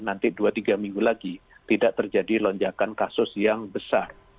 nanti dua tiga minggu lagi tidak terjadi lonjakan kasus yang besar